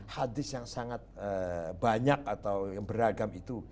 hadis yang sangat banyak atau yang beragam itu